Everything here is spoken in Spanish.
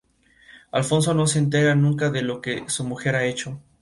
Alfonso no se entera nunca de lo que su mujer ha hecho.